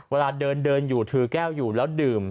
เวลาเดินเดินอยู่ถือแก้วอยู่แล้วดื่ม